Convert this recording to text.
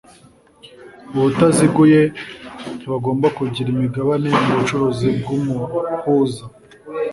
ubutaziguye ntibagomba kugira imigabane mu bucuruzi bw’umuhuza.